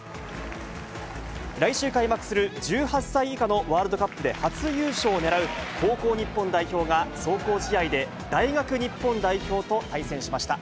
来週開幕する１８歳以下のワールドカップで初優勝を狙う、高校日本代表が壮行試合で大学日本代表と対戦しました。